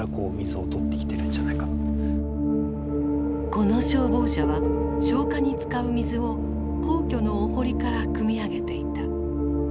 この消防車は消火に使う水を皇居のお堀からくみ上げていた。